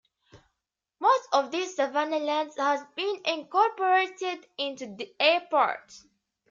Most of this savanna land has been incorporated into the airport.